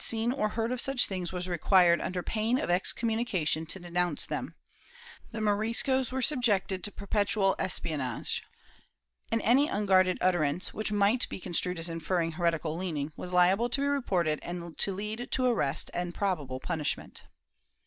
330 MORISCOS [Book VIII seen or heard of such things was required under pain of excom mimication to denounce them; the Moriscos were subjected to perpetual espionage, and any unguarded utterance, which might be construed as inferring heretical leaning, was liable to be reported and to lead to arrest and probable punishment.